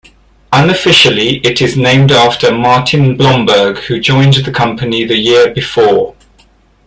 Unofficially it is named after Martin Blomberg, who joined the company the year before.